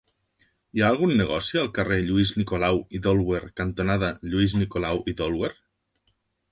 Hi ha algun negoci al carrer Lluís Nicolau i d'Olwer cantonada Lluís Nicolau i d'Olwer?